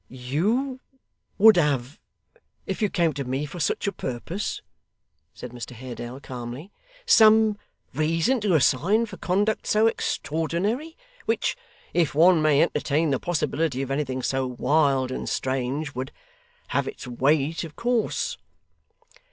'You would have, if you came to me for such a purpose,' said Mr Haredale calmly, 'some reason to assign for conduct so extraordinary, which if one may entertain the possibility of anything so wild and strange would have its weight, of course.